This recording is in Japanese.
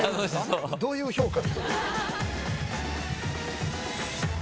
どういう評価？